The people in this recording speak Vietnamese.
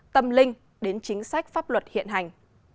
tâm linh đến chính sách pháp luật hiện hành